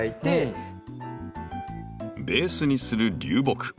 ベースにする流木。